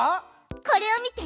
これを見て！